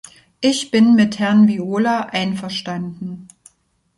Ich bin mit Herrn Viola einverstanden.